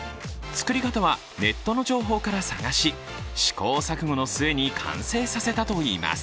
作り方は、ネットの情報から探し、試行錯誤の上に完成させたといいます。